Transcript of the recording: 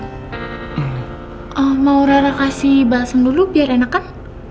coba kamu pikir ini orang orang hebat